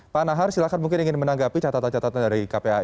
pak nahar silahkan mungkin ingin menanggapi catatan catatan dari kpai